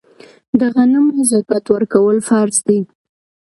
د غنمو زکات ورکول فرض دي.